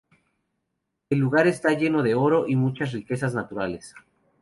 El lugar esta lleno de oro y muchas riquezas naturales.